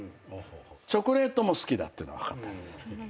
チョコレートも好きだっていうのは分かってるんですよ。